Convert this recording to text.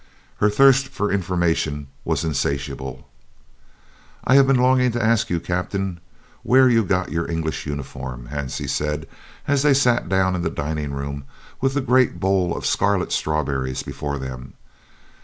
Her thirst for information was insatiable. "I have been longing to ask you, Captain, where you got your English uniform," Hansie said as they sat down in the dining room with the great bowls of scarlet strawberries before them.